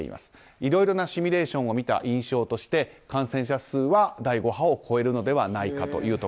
いろいろなシミュレーションを見た印象として感染者数は第５波を超えるのではないかと。